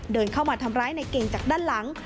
เดินเข้ามาทำร้ายในเก่งจากด้านหลัง